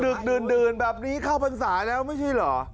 ดึกดื่นแบบนี้เข้าพรรษาแล้วไม่ใช่เหรอ